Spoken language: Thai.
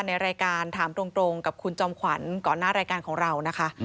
ในรายการถามตรงกับคุณจอมขวัญก่อนหน้ารายการของเรานะคะ